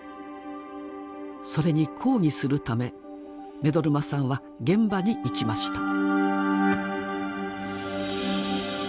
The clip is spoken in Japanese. それに抗議するため目取真さんは現場に行きました。